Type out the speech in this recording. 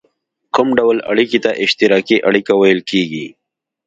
کوم ډول اړیکې ته اشتراکي اړیکه ویل کیږي؟